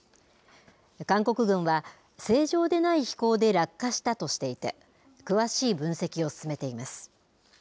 韓国軍は、正常でない飛行で落下したとしていて、詳しい分析を進めています。